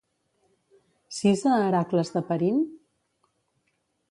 VI a Heracles de Perint?